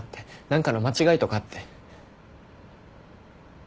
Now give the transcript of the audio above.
何かの間違いとかって。